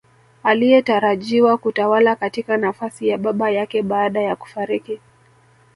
Aliyetarajiwa kutawala katika nafasi ya baba yake baada ya kufariki